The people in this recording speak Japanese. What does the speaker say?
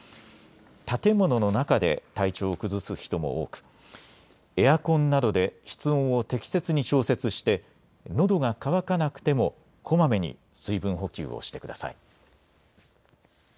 建物の中で体調を崩す人も多く、エアコンなどで室温を適切に調節して、のどが渇かなくてもこまめに水分補給をしてください。